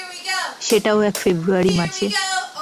সেটাও এক ফেব্রুয়ারি মাসে।